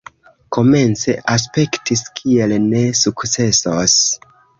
Komence aspektis kiel ne sukcesos